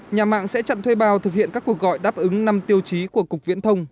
nhà mạng sẽ chặn thuê bao thực hiện các cuộc gọi đáp ứng năm tiêu chí của cục viễn thông